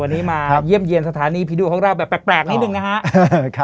วันนี้มาเยี่ยมเยี่ยมสถานีผีดุของเราแบบแปลกนิดนึงนะครับ